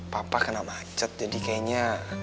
papa kena macet jadi kayaknya